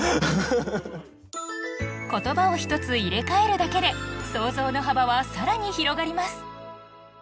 言葉を１つ入れ替えるだけで想像の幅は更に広がります